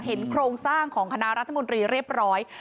โครงสร้างของคณะรัฐมนตรีเรียบร้อย